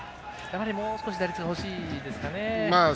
もう少し打率が欲しいですかね。